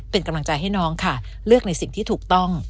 เป็นกำลังใจให้น้องค่ะเลือกในสิ่งที่ถูกต้อง